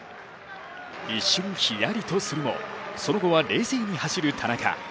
一瞬ひやりとするも、その後は冷静に走る田中。